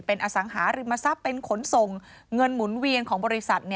เป็นอสังหาริมทรัพย์เป็นขนส่งเงินหมุนเวียนของบริษัท